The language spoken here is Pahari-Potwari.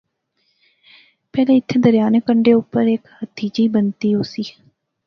پہلے ایتھیں دریا نے کنڈے اُپر ہیک ہتی جئی بنتی ہوسی